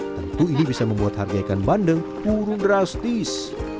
tentu ini bisa membuat harga ikan bandeng turun drastis